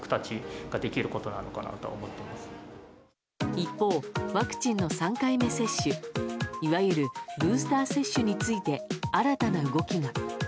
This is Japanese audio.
一方、ワクチンの３回目接種いわゆるブースター接種について新たな動きが。